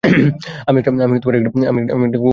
আমি একটা কুকুরছানা নিয়ে এসেছি!